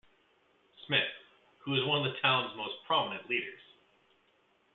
Smith, who was one of the town's most prominent leaders.